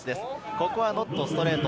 ここはノットストレート。